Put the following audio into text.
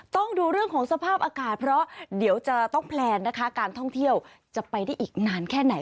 ต้องดูเรื่องของสภาพอากาศเพราะเดี๋ยวจะต้องแพลนนะคะการท่องเที่ยวจะไปได้อีกนานแค่ไหน